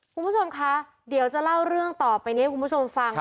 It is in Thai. คุณผู้ชมคะเดี๋ยวจะเล่าเรื่องต่อไปนี้ให้คุณผู้ชมฟัง